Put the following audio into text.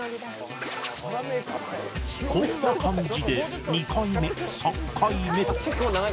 こんな感じで２回目３回目と